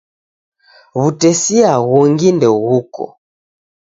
W'utesia ghungi ndeghuko.